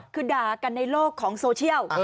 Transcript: คือด่ากันในโลกของโซเชียล